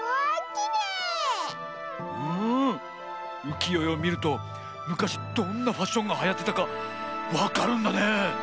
うきよえをみるとむかしどんなファッションがはやってたかわかるんだね！